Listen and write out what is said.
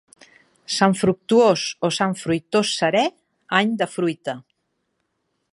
Sant Fructuós o Sant Fruitós serè, any de fruita.